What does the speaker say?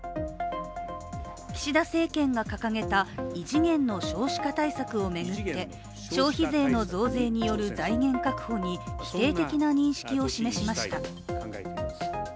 岸田政権が掲げた異次元の少子化対策を巡って消費税の増税による財源確保に否定的な認識を示しました。